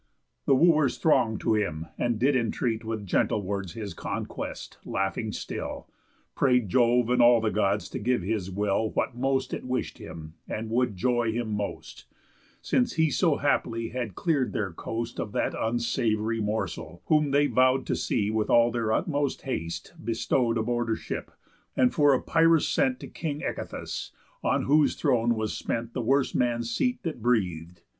The Wooers throng'd to him, and did entreat With gentle words his conquest, laughing still, Pray'd Jove and all the Gods to give his will What most it wish'd him and would joy him most, Since he so happily had clear'd their coast Of that unsavoury morsel; whom they vow'd To see with all their utmost haste bestow'd Aboard a ship, and for Epirus sent To King Echetus, on whose throne was spent The worst man's seat that breath'd.